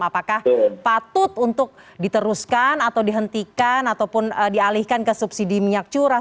apakah patut untuk diteruskan atau dihentikan ataupun dialihkan ke subsidi minyak curah